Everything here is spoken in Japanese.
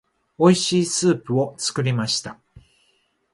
美味しいスープを作りました。